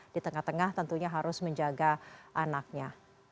di tengah tengah tentunya harus menjaga anaknya